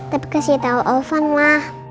tapi kasih tau ovan ma